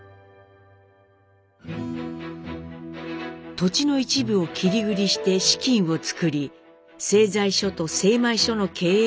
土地の一部を切り売りして資金を作り製材所と精米所の経営を始めました。